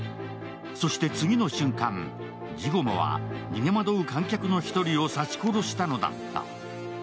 そして次の瞬間、ジゴマは逃げまどう観客の１人を刺し殺したのだった。